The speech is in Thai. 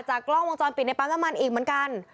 กล้องวงจรปิดในปั๊มน้ำมันอีกเหมือนกัน